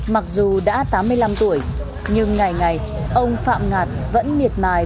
mặc dù đã tám mươi năm tuổi nhưng ngày ngày ông phạm ngạt vẫn miệt mài